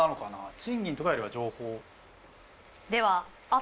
賃金とかよりは情報。